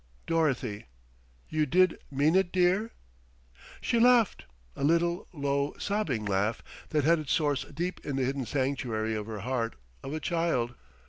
"Dorothy!... You did mean it, dear?" She laughed, a little, low, sobbing laugh that had its source deep in the hidden sanctuary of her heart of a child.